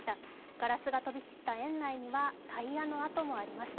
ガラスが飛び散った園内にはタイヤの跡もあります。